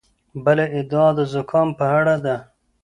بله ادعا د زکام په اړه ده.